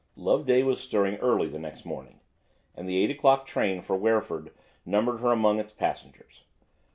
Loveday was stirring early the next morning, and the eight o'clock train for Wreford numbered her among its passengers.